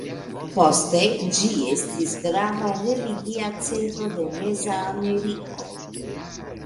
Poste ĝi estis grava religia centro de Meza Ameriko.